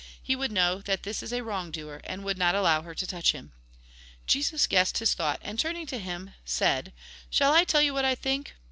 He would know that this is a wrong doer, and would not allow her to touch him." Jesus guessed his thought, and, turning to him, said :" Shall I tell you what I think